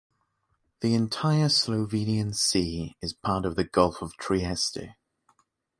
The entire Slovenian sea is part of the Gulf of Trieste.